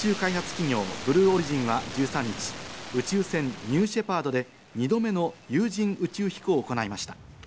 企業・ブルーオリジンは１３日、宇宙船ニューシェパードで２度目の有人宇宙飛行を行いました。